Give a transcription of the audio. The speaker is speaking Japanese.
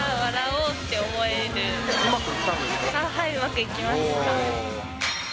うまくいきました。